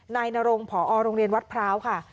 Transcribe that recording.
นายนรงผอโรงเรียนวัดพร้าวค่ะ